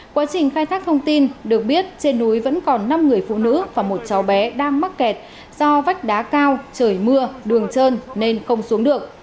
quá trình khai thác thông tin được biết trên núi vẫn còn năm người phụ nữ và một cháu bé đang mắc kẹt do vách đá cao trời mưa đường trơn nên không xuống được